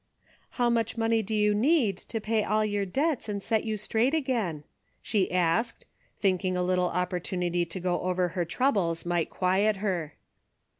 " How much money do you need to pay all your debts and set you straight again ?" she asked, thinking a little opportunity to go over her troubles might quiet her.